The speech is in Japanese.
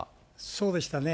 そうでしたね。